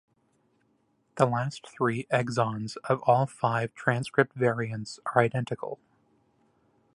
The last three exons of all five transcript variants are identical.